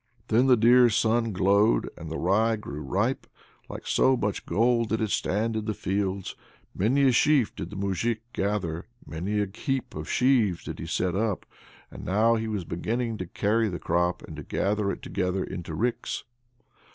Then the dear sun glowed, and the rye grew ripe like so much gold did it stand in the fields. Many a sheaf did the Moujik gather, many a heap of sheaves did he set up; and now he was beginning to carry the crop, and to gather it together into ricks.